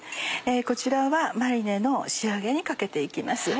こちらはマリネの仕上げにかけて行きます。